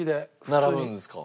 並ぶんですか？